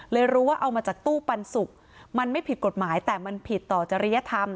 รู้ว่าเอามาจากตู้ปันสุกมันไม่ผิดกฎหมายแต่มันผิดต่อจริยธรรม